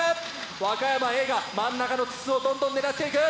和歌山Ａが真ん中の筒をどんどん狙っていく。